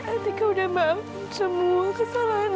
atika udah maafin semua kesalahan